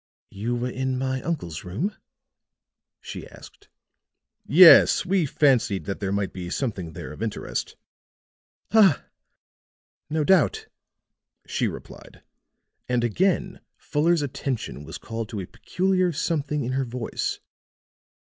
"You were in my uncle's room?" she asked. "Yes. We fancied that there might be something there of interest." "Ah, no doubt," she replied; and again Fuller's attention was called to a peculiar something in her voice.